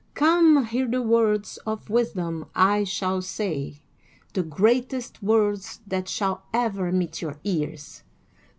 Come, hear the words of wisdom I shall say, the greatest words that shall ever meet your ears.